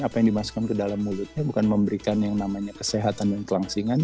apa yang dimasukkan ke dalam mulutnya bukan memberikan yang namanya kesehatan dan kelangsingan